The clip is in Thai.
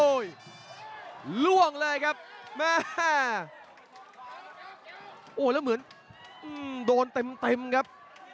โอ้โหล่วงเลยครับแม่โอ้แล้วเหมือนโดนเต็มเต็มครับ